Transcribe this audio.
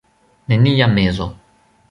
Nenia mezo.